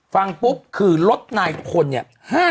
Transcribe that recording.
ฟังปุ๊บคือรถนายพลเนี่ย